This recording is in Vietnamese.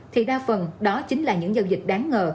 thì đa phần đó chính là những giao dịch đáng ngờ